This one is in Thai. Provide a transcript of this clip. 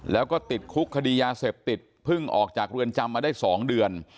แล้วก็ติดคุกคดียาเสพติดเพิ่งออกจากเรือนจำมาได้๒เดือน